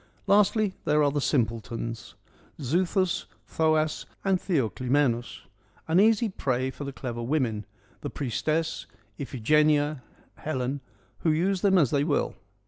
Lastly, there are the simpletons : Xuthus, Thoas and Theoclymenus — an easy prey for the clever women — the Priestess, Iphigenia, Helen who use them as they will.